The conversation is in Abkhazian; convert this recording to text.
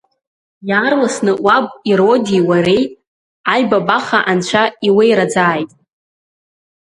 Иаарласны уаб Ироди уареи аибабаха Анцәа иуеираӡааит!